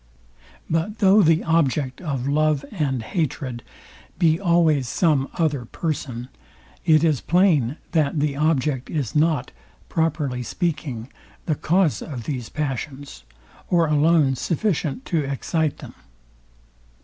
But though the object of love and hatred be always some other person, it is plain that the object is not, properly speaking, the cause of these passions, or alone sufficient to excite them.